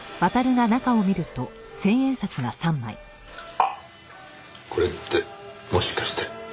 あっこれってもしかして。